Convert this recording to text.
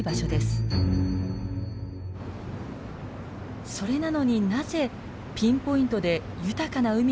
それなのになぜピンポイントで豊かな海が存在するのか？